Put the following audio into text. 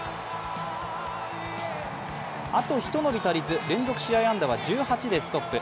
あとひと伸び足りず、連続試合安打は１８でストップ。